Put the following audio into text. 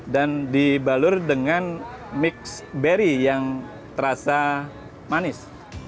dan dibalur dengan mix berry yang terasa manis